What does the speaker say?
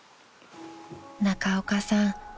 ［中岡さん